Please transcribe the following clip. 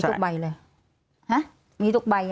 อันนี้มีทุกใบเลย